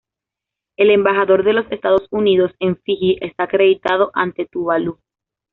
El embajador de los Estados Unidos en Fiji está acreditado ante Tuvalu.